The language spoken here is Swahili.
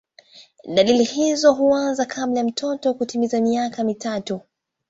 Dalili hizo huanza kabla ya mtoto kutimiza miaka mitatu.